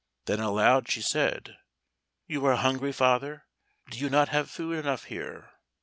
Then, aloud, she said: "You are hungry, father? do you not have food enough here?"